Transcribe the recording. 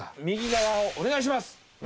右側をお願いします。